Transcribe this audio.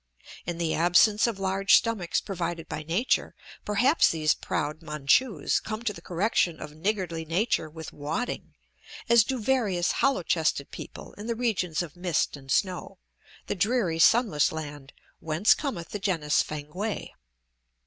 In the absence of large stomachs provided by nature, perhaps these proud Manchus come to the correction of niggardly nature with wadding, as do various hollow chested people in the "regions of mist and snow," the dreary, sunless land whence cometh the genus Fankwae.